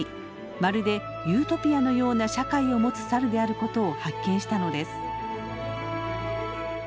まるでユートピアのような社会を持つサルであることを発見したのです。